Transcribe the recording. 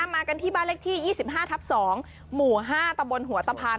มากันที่บ้านเลขที่๒๕ทับ๒หมู่๕ตะบนหัวตะพาน